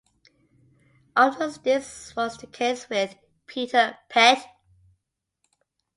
Often this was the case with Peter Pett.